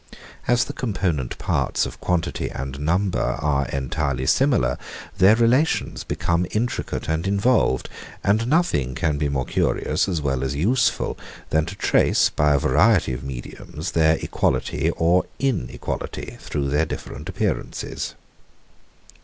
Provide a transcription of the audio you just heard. As the component parts of quantity and number are entirely similar, their relations become intricate and involved; and nothing can be more curious, as well as useful, than to trace, by a variety of mediums, their equality or inequality, through their different appearances.